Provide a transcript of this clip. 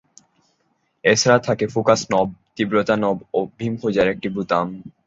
এছাড়াও থাকে focus knob, তীব্রতা নব ও বীম খোঁজার একটি বোতাম।